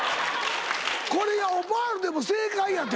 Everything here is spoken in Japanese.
これいやオパールでも正解やて！